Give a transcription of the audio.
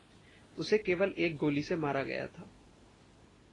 उसे केवल एक गोली से मारा गया था।